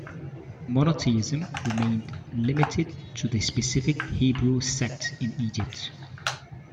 Monotheism remained limited to the specific Hebrew sect in Egypt.